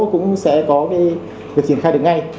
cũng sẽ có việc triển khai được ngay